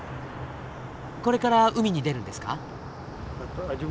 これから海に出るんですか？